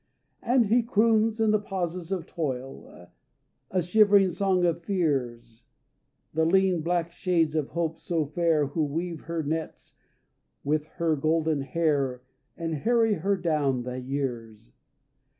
And he croons in the pauses of toil, A shivering song of Fears, The lean black shades of Hope so fair Who weave her nets with her golden hair And harry her down the years.